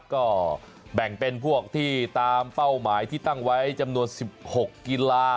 ก็แบ่งเป็นพวกที่ตามเป้าหมายที่ตั้งไว้จำนวน๑๖กีฬา